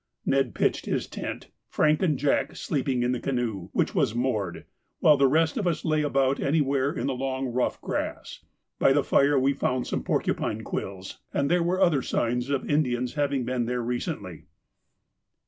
Ned pitched his tent, Frank and Jack sleeping in the canoe, which was moored, while the rest of us lay about anywhere in the long rough grass. By the fire we found some porcupine quills, and there were other signs of Indians having been there recently.